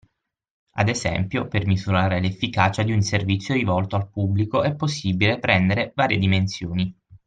Ad esempio, per misurare l'efficacia di un servizio rivolto al pubblico è possibile prendere varie dimensioni.